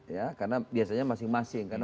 ya karena biasanya masing masing kan